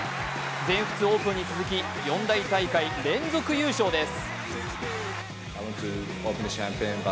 全仏オープンに続き四大大会連続優勝です。